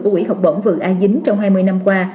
của quỹ học bổng vừa a dính trong hai mươi năm qua